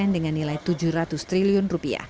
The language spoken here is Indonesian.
dengan nilai rp tujuh ratus triliun